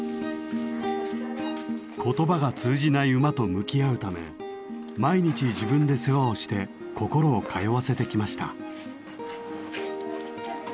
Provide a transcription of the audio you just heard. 言葉が通じない馬と向き合うため毎日自分で世話をして心を通わせてきました。